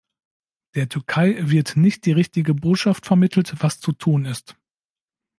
Der Türkei wird nicht die richtige Botschaft vermittelt, was zu tun ist.